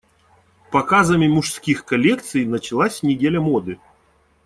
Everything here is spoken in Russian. Показами мужских коллекций началась Неделя моды.